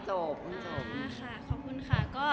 ขอบคุณค่ะ